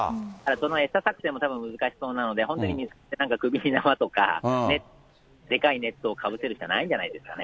その餌作戦もたぶん難しそうなので、本当に首に縄とか、でかいネットをかぶせるしかないんじゃないですかね。